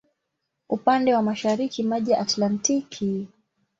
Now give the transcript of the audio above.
Upande wa mashariki maji ya Atlantiki.